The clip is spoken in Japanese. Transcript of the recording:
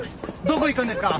どこ行くんですか？